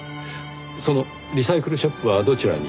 そのリサイクルショップはどちらに？